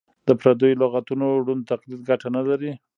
د پردیو لغتونو ړوند تقلید ګټه نه لري.